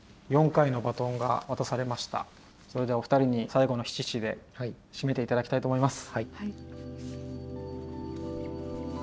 それではお二人に最後の七七で締めて頂きたいと思います。